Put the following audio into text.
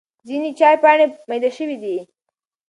ځینې چای پاڼې مېده شوې وي.